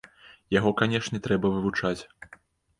Яго, канешне, трэба вывучаць.